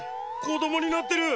こどもになってる！